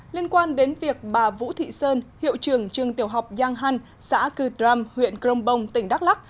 liên quan đến việc bà vũ thị sơn hiệu trường trường tiểu học giang hăn xã cư đram huyện crong bông tỉnh đắk lắc